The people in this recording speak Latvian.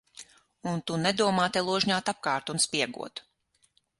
Un tu nedomā te ložņāt apkārt un spiegot.